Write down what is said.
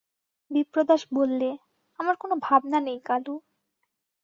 বিপ্রদাস বললে, আমার কোনো ভাবনা নেই কালু।